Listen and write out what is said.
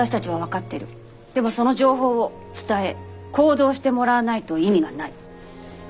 でもその情報を伝え行動してもらわないと意味がない。